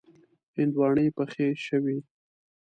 هندواڼی پخې شوې.